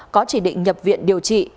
có chỉ định nhập viện điều trị